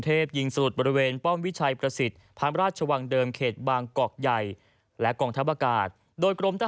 เรือกรุงเทพยิงสลุดบริเวณป้องวิชัยประสิทธิ์พันราชวังเดิมเขตบางกอกใหญ่แหละกองทัพอากาศโดยกลมทหารต่อสู้